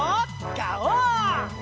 ガオー！